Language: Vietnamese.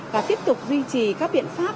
và tiếp tục duy trì các biện pháp